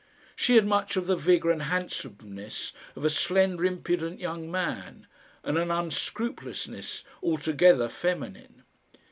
She had much of the vigour and handsomeness of a slender impudent young man, and an unscrupulousness altogether feminine.